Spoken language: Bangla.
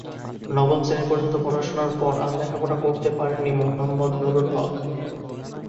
নবম শ্রেণী পর্যন্ত পড়াশোনার পর আর লেখাপড়া করতে পারেননি মোহাম্মদ নূরুল হক।